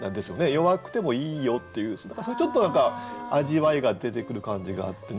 弱くてもいいよっていうそういうちょっと味わいが出てくる感じがあってね